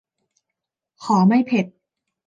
ขอไม่เผ็ด